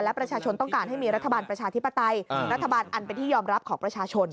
และประชาชนต้องการให้มีรัฐบาลประชาธิปไตยรัฐบาลอันเป็นที่ยอมรับของประชาชน